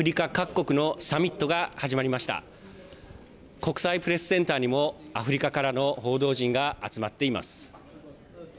国際プレスセンターにもアフリカからの報道陣が集まっています。